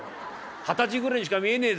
二十歳ぐらいにしか見えねえぞ」。